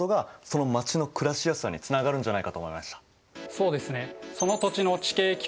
そうですね。